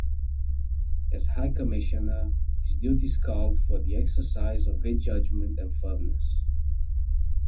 As High Commissioner his duties called for the exercise of great judgment and firmness.